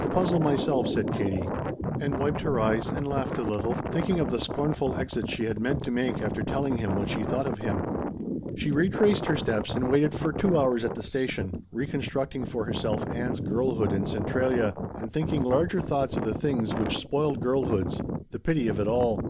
"I puzzle myself," said Katie, and wiped her eyes and laughed a little, thinking of the scornful exit she had meant to make after telling him what she thought of him. She retraced her steps and waited for two hours at the station, reconstructing for herself Ann's girlhood in Centralia and thinking larger thoughts of the things which spoiled girlhoods, the pity of it all.